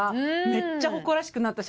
めっちゃ誇らしくなったし